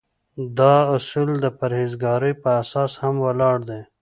دا اصول د پرهیزګارۍ په اساس هم ولاړ دي.